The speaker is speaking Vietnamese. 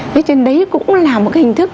với trên đấy cũng là một hình thức